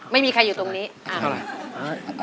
ขอบคุณครับ